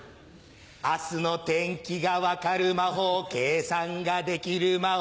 明日の天気が分かる魔法計算ができる魔法。